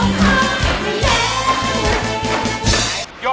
โทษให้โทษให้โทษให้โทษให้